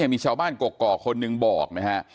มีชาวบ้านกรกคนหนึ่งบอก